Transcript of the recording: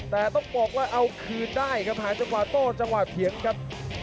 แต่ต้องบอกว่าเอาคืนได้ครับหาจังหวะโต้จังหวะเถียงครับ